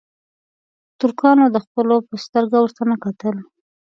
ترکانو د خپلو په سترګه ورته نه کتل.